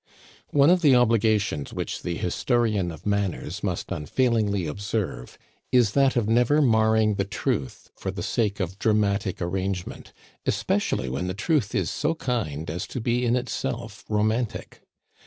One of the obligations which the historian of manners must unfailingly observe is that of never marring the truth for the sake of dramatic arrangement, especially when the truth is so kind as to be in itself romantic.